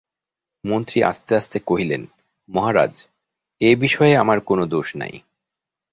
মন্ত্রী আস্তে আস্তে কহিলেন, মহারাজ, এ-বিষয়ে আমার কোনো দোষ নাই।